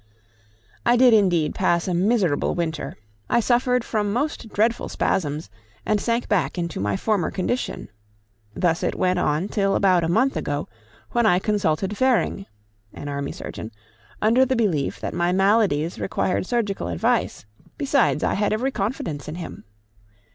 I did indeed pass a miserable winter; I suffered from most dreadful spasms, and sank back into my former condition. Thus it went on till about a month ago, when I consulted Vering [an army surgeon], under the belief that my maladies required surgical advice; besides, I had every confidence in him.